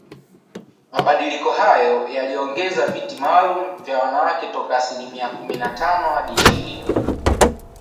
Mabadiliko hayo yaliongeza viti maalum vya wanawake toka asilimia kumi na tano hadi ishirini